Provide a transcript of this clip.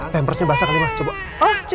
pembersih basah kali emak